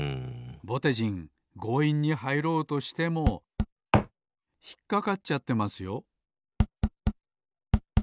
ぼてじんごういんにはいろうとしてもひっかかっちゃってますよ